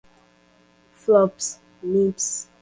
flops, mips